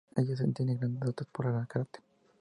Ella es tiene grandes dotes para el Karate.